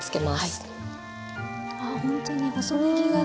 あほんとに細ねぎがね